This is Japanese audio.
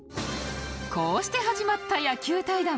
こうして始まった野球対談